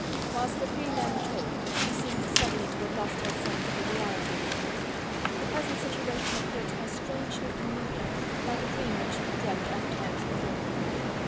Whilst the three men talked, she seemed suddenly to have lost her sense of the reality of things. The present situation appeared to her strangely familiar, like a dream which she had dreamt oft times before.